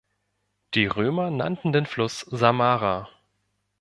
Die Römer nannten den Fluss "Samara".